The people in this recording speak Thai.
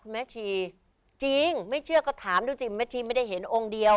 แม่ชีจริงไม่เชื่อก็ถามดูสิแม่ชีไม่ได้เห็นองค์เดียว